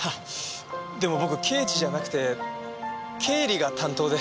でも僕刑事じゃなくて経理が担当で。